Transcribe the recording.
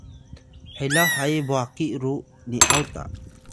helaw hayi bwakiy ru ni’aw ta